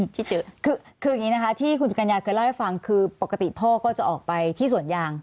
ที่เจอคืออย่างนี้นะคะที่คุณสุกัญญาเคยเล่าให้ฟังคือปกติพ่อก็จะออกไปที่สวนยาง